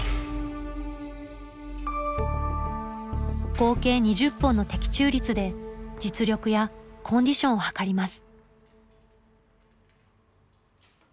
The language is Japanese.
合計２０本の的中率で実力やコンディションを測ります。